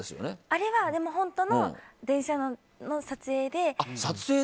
あれは、本当の電車の撮影で。